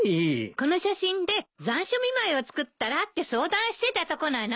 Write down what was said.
この写真で残暑見舞いを作ったらって相談してたとこなの。